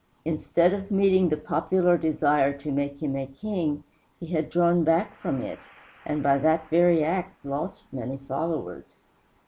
Instead of meeting the popular desire to make him a king he had drawn back from it, and by that very act lost many followers.